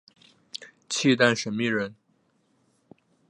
契丹审密人。